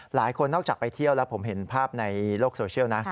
หลายคนนอกจากไปเที่ยวแล้วผมเห็นภาพในโลกโซเชียลนะ